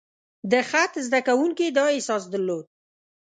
د خط زده کوونکي دا احساس درلود.